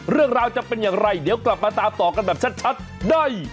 เรื่องราวจะเป็นอย่างไรเดี๋ยวกลับมาตามต่อกันแบบชัดได้